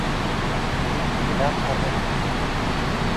ዝላም ሀረት ዲቡ